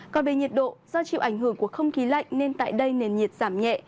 còn về nhiệt độ do chịu ảnh hưởng của không khí lạnh nên tại đây nền nhiệt giảm nhẹ